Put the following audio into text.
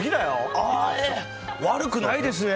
悪くないですね。